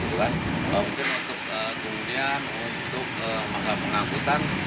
mungkin untuk kemudian untuk pengangkutan